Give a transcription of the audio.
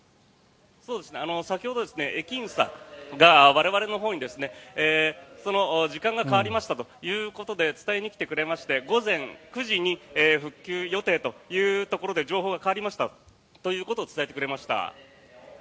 先ほど、駅員さんが我々のほうに時間が変わりましたということで伝えに来てくれまして午前９時に復旧予定というところで情報が変わりましたということを伝えてくれました。